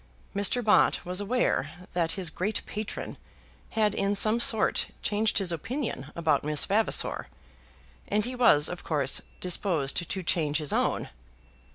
Mr. Bott was aware that his great patron had in some sort changed his opinion about Miss Vavasor, and he was of course disposed to change his own.